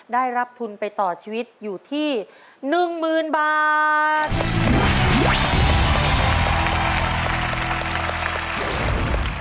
ได้รับทุนไปต่อชีวิตอยู่ที่๑๐๐๐บาท